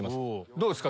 どうですか？